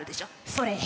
それ。